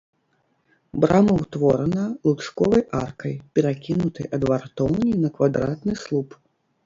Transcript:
Брама ўтворана лучковай аркай, перакінутай ад вартоўні на квадратны слуп.